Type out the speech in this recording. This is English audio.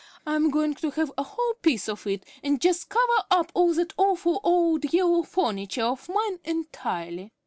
I am going to have a whole piece of it, and just cover up all that awful old yellow furniture of mine entirely.